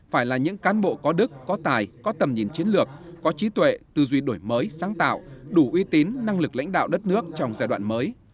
phải là những cán bộ có đức có tài có tầm nhìn chiến lược có trí tuệ tư duy đổi mới sáng tạo đủ uy tín năng lực lãnh đạo đất nước trong giai đoạn mới